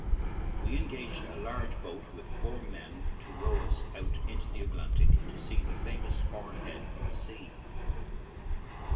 We engaged a large boat with four men to row us out into the Atlantic to see the famous Horn Head from the sea.